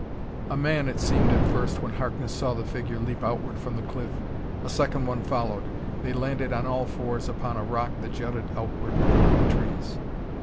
A man it seemed at first, when Harkness saw the figure leap outward from the cliff. A second one followed. They landed on all fours upon a rock that jutted outward toward the trees.